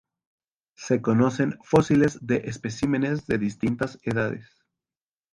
Se conocen fósiles de especímenes de distintas edades.